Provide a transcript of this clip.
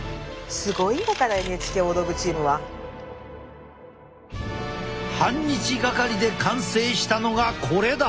すごいんだからＮＨＫ大道具チームは。半日掛かりで完成したのがこれだ。